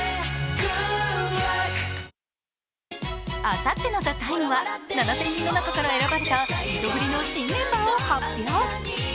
あさっての「ＴＨＥＴＩＭＥ，」は７０００人の中から選ばれたリトグリの新メンバーを発表。